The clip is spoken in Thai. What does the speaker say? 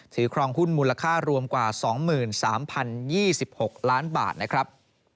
ครองหุ้นมูลค่ารวมกว่า๒๓๐๒๖ล้านบาทนะครับ